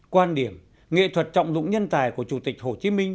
quan điểm nghệ thuật trọng dụng nhân tài của chủ tịch hồ chí minh